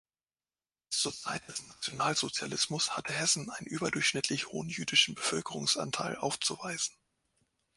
Bis zur Zeit des Nationalsozialismus hatte Hessen einen überdurchschnittlich hohen jüdischen Bevölkerungsanteil aufzuweisen.